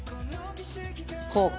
こうか。